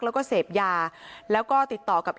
แล้วก็เสพยาแล้วก็ติดต่อกับ